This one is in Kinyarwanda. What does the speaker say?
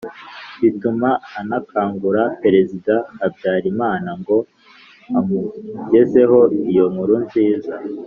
bituma anakangura perezida habyarimana ngo amugezeho iyo nkuru nziza